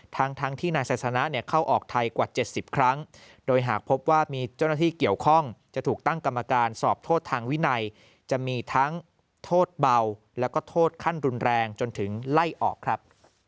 ทั้งที่นายไซสนะเข้าออกไทยกว่า๗๐ครั้งโดยหากพบว่ามีเจ้าหน้าที่เกี่ยวข้องจะถูกตั้งกรรมการสอบโทษทางวินัยจะมีทั้งโทษเบาแล้วก็โทษขั้นรุนแรงจนถึงไล่ออกครับ